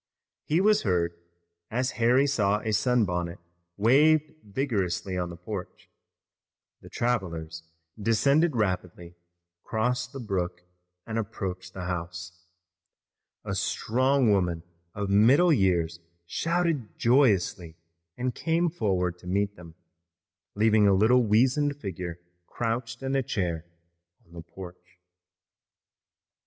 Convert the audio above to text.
He was heard, as Harry saw a sunbonnet waved vigorously on the porch. The travelers descended rapidly, crossed the brook, and approached the house. A strong woman of middle years shouted joyously and came forward to meet them, leaving a little weazened figure crouched in a chair on the porch.